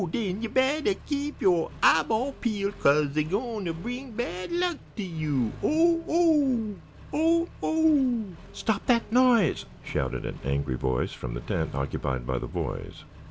Den you bettah keep yo' eyeball peel, Kase dey bring bad luck t' yo', Oh oh! oh oh!" "Stop that noise!" shouted an angry voice from the tent occupied by the boys.